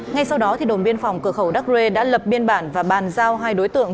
ngay sau đó đồn biên phòng cửa khẩu đắk rê đã lập biên bản và bàn giao hai đối tượng